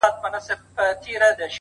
او ځينو ګډونکوونکو خو لا راته وويل